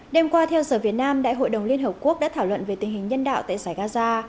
đêm qua theo giờ việt nam đại hội đồng liên hợp quốc đã thảo luận về tình hình nhân đạo tại giải gaza